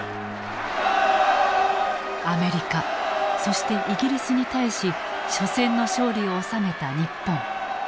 アメリカそしてイギリスに対し緒戦の勝利を収めた日本。